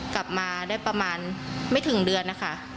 กลับมาได้ประมาณไม่ถึงเดือนนะคะ